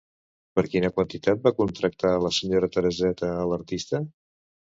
Per quina quantitat va contractar la senyora Tereseta a l'artista?